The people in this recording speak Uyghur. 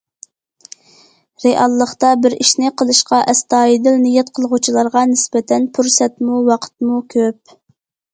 رېئاللىقتا بىر ئىشنى قىلىشقا ئەستايىدىل نىيەت قىلغۇچىلارغا نىسبەتەن پۇرسەتمۇ، ۋاقىتمۇ كۆپ.